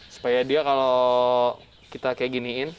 supaya dia kalau kita kayak giniin